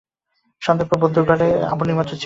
সন্ধার পরে বধূর ঘরে অপুর নিমন্ত্রণ ছিল।